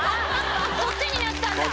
そっちになったんだ！